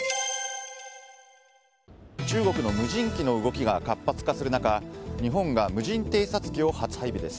中国の無人機の動きが活発化する中日本が無人偵察機を初配備です。